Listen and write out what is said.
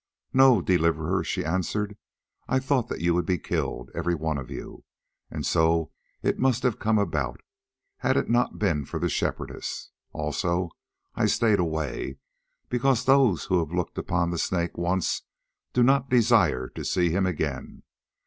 "No, Deliverer," she answered. "I thought that you would be killed, every one of you. And so it must have come about, had it not been for the Shepherdess. Also, I stayed away because those who have looked upon the Snake once do not desire to see him again.